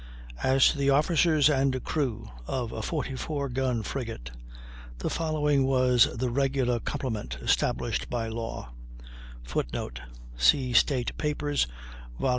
As to the officers and crew of a 44 gun frigate, the following was the regular complement established by law: [Footnote: See State Papers, vol.